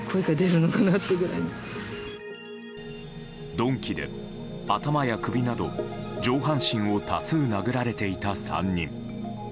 鈍器で頭や首など上半身を多数殴られていた３人。